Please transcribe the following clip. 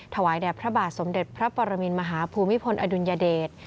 ถวายแด่พระบาทสมเด็จพระปรมินมหาภูมิพลอดุลยเดช